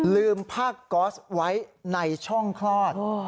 ลืมผ้าก๊อสไว้ในช่องคลอด